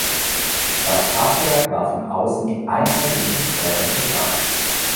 Das Fachwerk war von außen einheitlich mit Brettern verschalt.